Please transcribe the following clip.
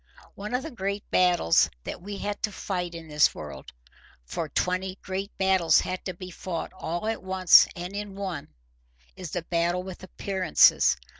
One of the great battles that we have to fight in this world—for twenty great battles have to be fought all at once and in one—is the battle with appearances.